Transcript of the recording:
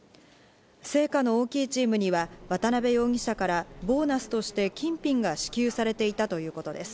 成果の大きいチームには渡辺容疑者からボーナスとして金品が支給されていたということです。